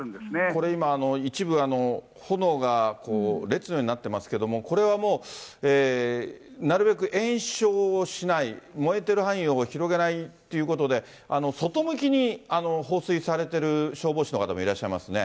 これ、今、一部、炎が列のようになってますけれども、これはもう、なるべく延焼をしない、燃えてる範囲を広げないということで、外向きに放水されている消防士の方もいらっしゃいますね。